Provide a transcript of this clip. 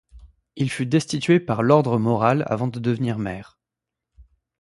Il fut destitué par l'Ordre moral avant de devenir maire.